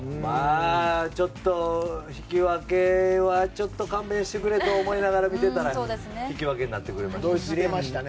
ちょっと引き分けは勘弁してくれと思いながら見てたら引き分けになってくれました。